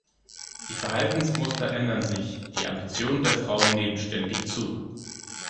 Die Verhaltensmuster ändern sich, die Ambitionen der Frauen nehmen ständig zu.